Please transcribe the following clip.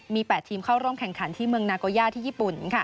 มี๘ทีมเข้าร่วมแข่งขันที่เมืองนาโกย่าที่ญี่ปุ่น